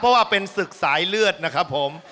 เพราะว่าเป็นศึกสายเลือดนะครับผม